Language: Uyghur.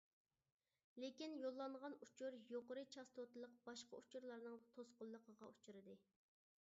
لېكىن يوللانغان ئۇچۇر يۇقىرى چاستوتىلىق باشقا ئۇچۇرلارنىڭ توسقۇنلۇقىغا ئۇچرىدى.